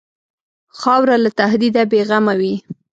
خاوره له تهدیده بېغمه وي.